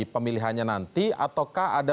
pemilihannya nanti ataukah ada